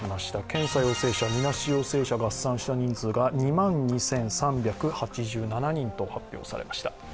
検査陽性者、みなし陽性者、合算した人数が２万２３８７人と発表されました。